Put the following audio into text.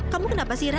kamu kenapa sira